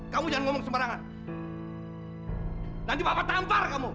kamu jangan ngomong sembarangan nanti bapak tampar kamu